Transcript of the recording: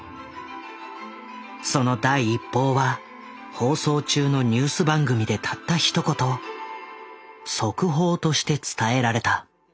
その第一報は放送中のニュース番組でたったひと言速報として伝えられた。